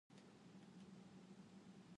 Tom menyetrika bajunya.